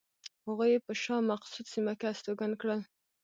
هغوی یې په شاه مقصود سیمه کې استوګن کړل.